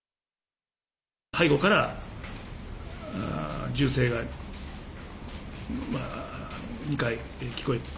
背後から、銃声が２回聞こえて。